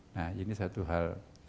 nah ini satu hal